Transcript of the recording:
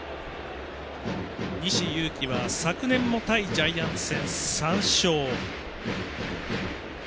西勇輝は昨年も対ジャイアンツ戦、３勝。